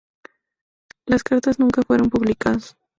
Las cartas nunca fueron publicadas.